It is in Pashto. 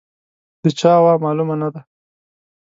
د چا وه، معلومه نه ده.